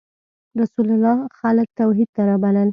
رسول الله ﷺ خلک توحید ته رابلل.